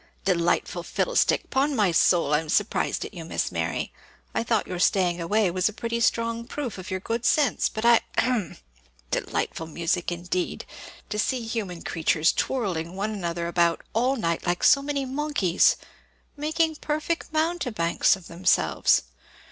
"Delightful fiddlestick! 'Pon my soul, I'm surprised at you, Miss Mary! I thought your staying away was a pretty strong proof of your good sense; but I hem! Delightful amusement, indeed! to see human creatures twirling one another about all night like so many monkeys making perfect mountebanks of themselves.